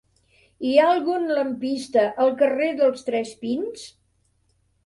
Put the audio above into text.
Hi ha algun lampista al carrer dels Tres Pins?